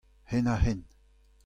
Henn-ha-henn.